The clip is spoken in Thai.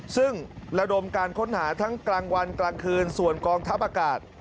ซึ่งระดมการค้นหาทั้งกลางวันกลางคืนส่วนกองทัพอากาศ